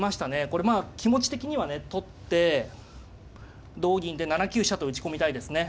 これ気持ち的にはね取って同銀で７九飛車と打ち込みたいですね。